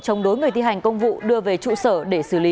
chống đối người thi hành công vụ đưa về trụ sở để xử lý